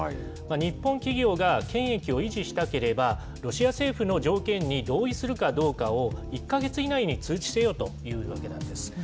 日本企業が権益を維持したければ、ロシア政府の条件に同意するかどうかを、１か月以内に通知せよというわけなんです。